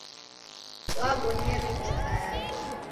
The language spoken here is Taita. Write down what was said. Wabonyere kisayaki?